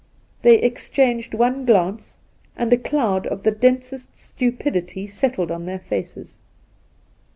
they ex changed one glance, and a cloud of the densest stupidity settled on their faces.